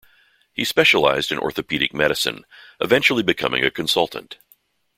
He specialised in orthopaedic medicine, eventually becoming a consultant.